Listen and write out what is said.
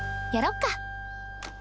やろっか。